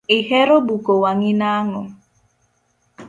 Ihero buko wangi nango?